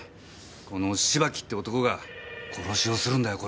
この芝木って男が殺しをするんだよこれから。